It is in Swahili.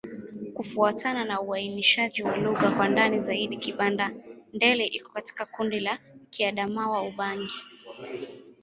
Kufuatana na uainishaji wa lugha kwa ndani zaidi, Kibanda-Ndele iko katika kundi la Kiadamawa-Ubangi.